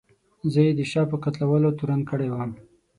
زه یې د شاه په قتلولو تورن کړی وم.